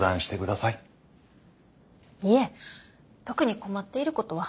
いえ特に困っていることは。